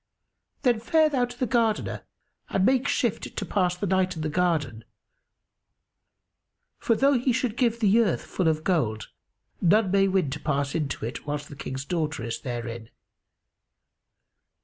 Then fare thou to the Gardener and make shift to pass the night in the garden, for though he should give the earth full of gold none may win to pass into it, whilst the King's daughter is therein.